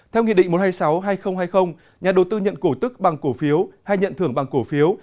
theo nghị định một trăm hai mươi sáu hai nghìn hai mươi nhà đầu tư nhận cổ tức bằng cổ phiếu hay nhận thưởng bằng cổ phiếu